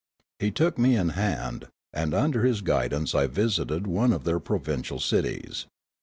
He took me in hand, and under his guidance I visited one of their provincial cities.